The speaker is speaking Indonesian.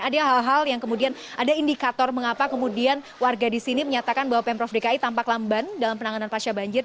ada hal hal yang kemudian ada indikator mengapa kemudian warga di sini menyatakan bahwa pemprov dki tampak lamban dalam penanganan pasca banjir